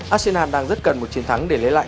shinan đang rất cần một chiến thắng để lấy lại